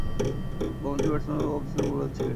বামহাতি ব্যাটসম্যান এবং off spin bowler ছিলেন।